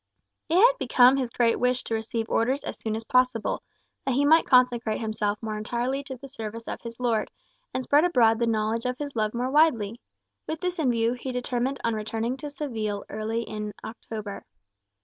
It had become his great wish to receive Orders as soon as possible, that he might consecrate himself more entirely to the service of his Lord, and spread abroad the knowledge of his love more widely. With this view, he determined on returning to Seville early in October.